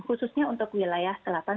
khususnya untuk wilayah selatan